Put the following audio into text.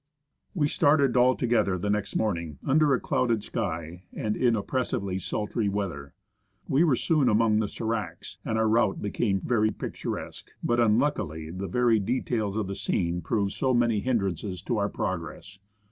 We started all to gether the next morning, under a clouded sky and in oppressively sultry weather. We were soon among the sdracs, and our route became very pic turesque ; but unluckily the varied details of the scene proved so many hindrances to our progress.